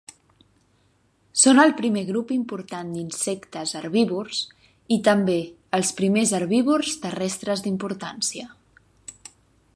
Són el primer grup important d'insectes herbívors i també els primers herbívors terrestres d'importància.